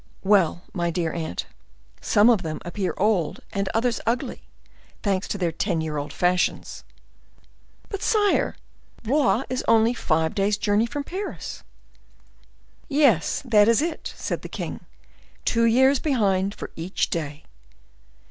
Well, my dear aunt, some of them appear old and others ugly, thanks to their ten year old fashions." "But, sire, Blois is only five days' journey from Paris." "Yes, that is it," said the king: "two years behind for each day."